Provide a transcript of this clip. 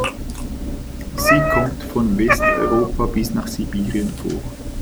Sie kommt von Westeuropa bis nach Sibirien vor.